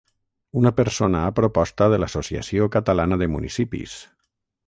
Una persona a proposta de l'Associació Catalana de Municipis.